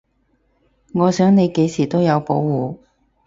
我想你幾時都有保護